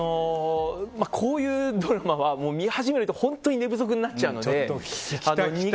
こういうドラマは見始めると、本当に寝不足になっちゃうので。